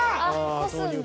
こすんだ。